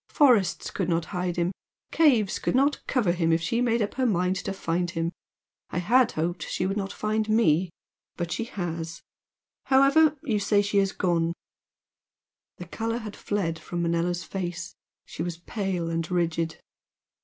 Forests could not hide him, caves could not cover him if she made up her mind to find him. I had hoped she would not find ME but she has however, you say she has gone " The colour had fled from Manella's face, she was pale and rigid.